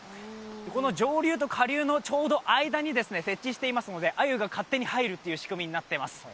この上流と下流のちょうど間に設置してますのでアユが勝手に入るという仕組みになっています